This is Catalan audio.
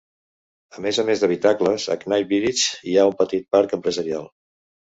A més a més d'habitacles, a Knightsbridge hi ha un petit parc empresarial.